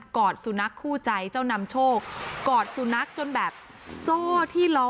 อดสุนัขคู่ใจเจ้านำโชคกอดสุนัขจนแบบโซ่ที่ล้อ